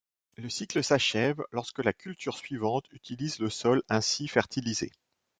Le cycle s'achève lorsque la culture suivante utilise le sol ainsi fertilisé.